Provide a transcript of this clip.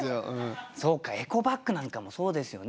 そうかエコバッグなんかもそうですよね。